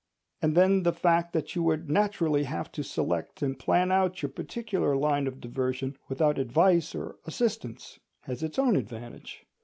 And then the fact, that you would naturally have to select and plan out your particular line of diversion without advice or assistance, has its own advantage.